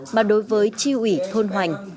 mà đối với tri ủy thôn hoành